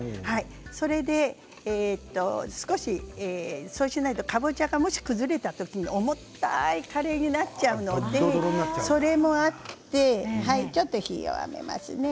それで少しそうしないとカボチャがもし崩れたときに重たいカレーになっちゃうのでそれもあってちょっと火を弱めますね。